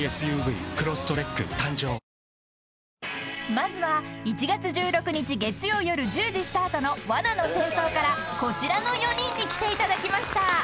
［まずは１月１６日月曜夜１０時スタートの『罠の戦争』からこちらの４人に来ていただきました］